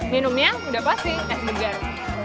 minumnya udah pasti es segar